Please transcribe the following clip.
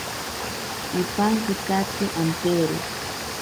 Ipankitatsi ampeere.